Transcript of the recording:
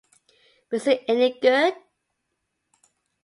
But is it any good?